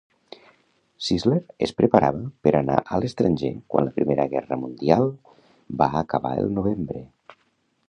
Sisler es preparava per anar a l'estranger quan la primera Guerra Mundial va acabar el novembre.